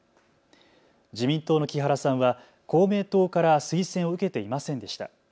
自民党の木原さんは公明党から推薦を受けていませんでした。